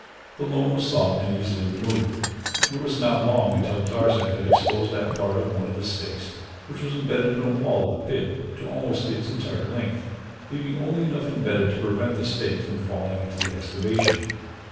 The loam was soft and easily removed, and it was not long until Tarzan had exposed that part of one of the stakes which was imbedded in the wall of the pit to almost its entire length, leaving only enough imbedded to prevent the stake from falling into the excavation.